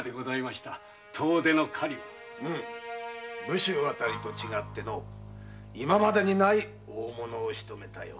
武州辺りと違って今までにない大物をしとめたよ。